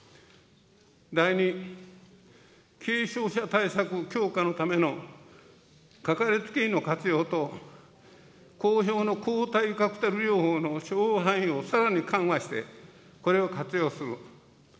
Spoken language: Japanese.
第２、軽症者対策強化のためのかかりつけ医の活用と、好評の抗体カクテル療法の処方範囲をさらに緩和して、これを活用する。